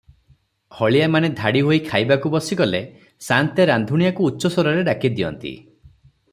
ହଳିଆମାନେ ଧାଡ଼ିହୋଇ ଖାଇବାକୁ ବସିଗଲେ ସାଆନ୍ତେ ରାନ୍ଧୁଣିଆକୁ ଉଚ୍ଚସ୍ୱରରେ ଡାକ ଦିଅନ୍ତି